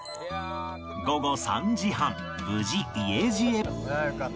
午後３時半無事家路へ